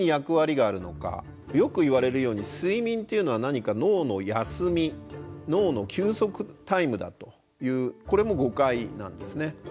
よくいわれるように睡眠っていうのは何か脳の休み脳の休息タイムだというこれも誤解なんですね。